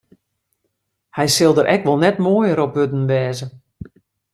Hy sil der ek wol net moaier op wurden wêze.